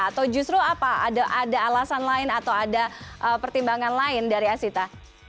atau justru apa ada alasan lain atau ada pertimbangan lain dari asita